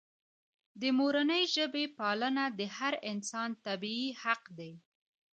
د مورنۍ ژبې پالنه د هر انسان طبیعي حق دی.